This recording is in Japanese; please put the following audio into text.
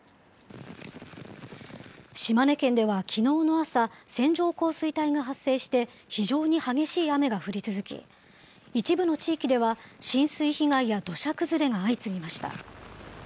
島根県ではきのうの朝、線状降水帯が発生して、非常に激しい雨が降り続き、一部の地域では、浸水被害や土砂崩れが相次ぎました。